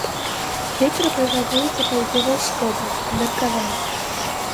Вецер прагназуецца паўднёва-ўсходні, умеркаваны.